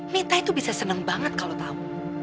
mita itu bisa seneng banget kalau tau